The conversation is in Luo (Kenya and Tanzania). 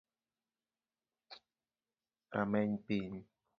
Rameny piny